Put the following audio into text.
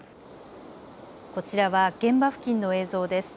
こちらは現場付近の映像です。